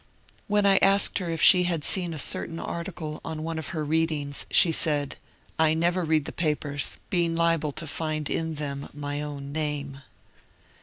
When I asked her if she had seen a certain article on one of her readings, she said, ^' I never read the papers, being liable to find in them my own name."